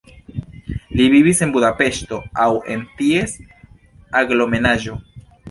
Li vivis en Budapeŝto aŭ en ties aglomeraĵo.